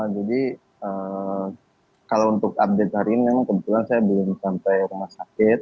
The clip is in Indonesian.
jadi kalau untuk update hari ini memang kebetulan saya belum sampai rumah sakit